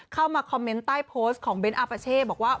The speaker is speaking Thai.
เข้ามาคอมเมนต์ใต้โพสต์ของเบ้นอาปาเช่บอกว่า